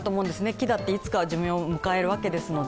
木だっていつか寿命を迎えるわけで。